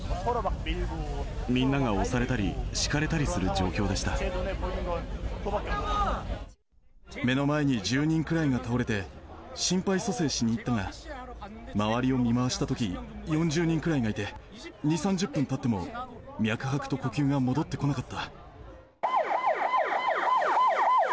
みんなが押されたり、目の前に１０人くらいが倒れて、心肺蘇生しにいったが、周りを見回したとき、４０人くらいがいて、２、３０分たっても、脈拍と呼吸が戻ってこなかった。